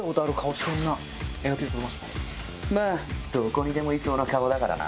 どこにでもいそうな顔だからな。